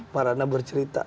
mbak ratna bercerita